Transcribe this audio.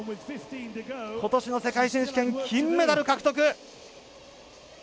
ことしの世界選手権金メダル獲得。